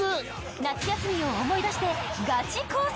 夏休みを思い出してガチ工作対決！